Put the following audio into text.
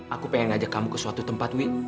aku pengen ngajak kamu ke suatu tempat wih